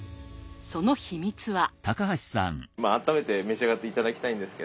その秘密は。